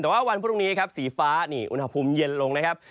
แต่ว่าวันพรุ่งนี้ครับสีฟ้านี่อุณหภูมิเย็นลงนะครับ